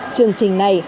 trường trình này